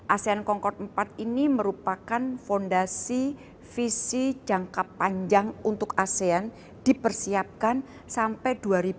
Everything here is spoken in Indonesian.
asean concordate ini merupakan fondasi visi jangka panjang untuk asean dipersiapkan sampai dua ribu empat puluh lima